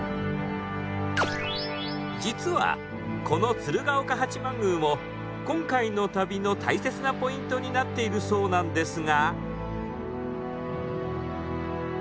実はこの鶴岡八幡宮も今回の旅の大切なポイントになっているそうなんですが。